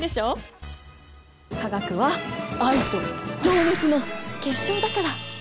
化学は愛と情熱の結晶だから！